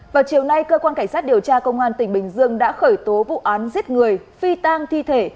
vào chiều nay cơ quan cảnh sát điều tra công an tỉnh bình dương đã khởi tố vụ án giết người phi tang thi thể